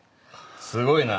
すごいな。